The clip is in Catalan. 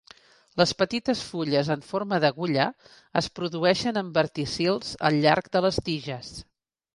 Les petites fulles en forma d'agulla es produeixen en verticils al llarg de les tiges.